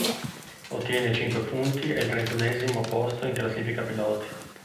Ottiene cinque punti ed il trentunesimo posto in classifica piloti.